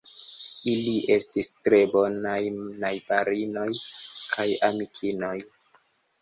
Ili estis tre bonaj najbarinoj kaj amikinoj.